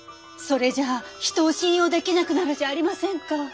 それじゃあ人を信用できなくなるじゃありませんか。